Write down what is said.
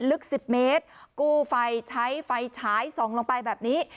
ลึก๑๐เมตรกู้ไฟใช้ไฟฉายส่องลงไปแบบนี้